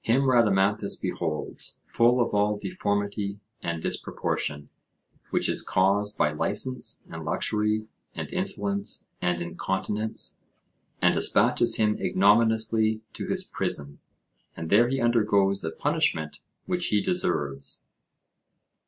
Him Rhadamanthus beholds, full of all deformity and disproportion, which is caused by licence and luxury and insolence and incontinence, and despatches him ignominiously to his prison, and there he undergoes the punishment which he deserves.